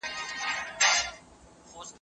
موږ بايد د روښانه فکر خاوندان واوسو.